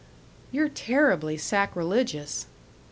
"You're terribly sacrilegious."